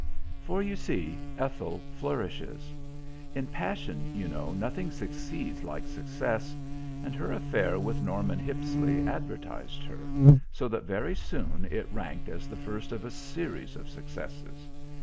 For you see, Ethel flourishes. In passion, you know, nothing succeeds like success; and her affair with Norman Hippisley advertised her, so that very soon it ranked as the first of a series of successes.